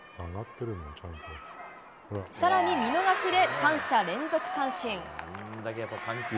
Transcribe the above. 更に見逃しで３者連続三振。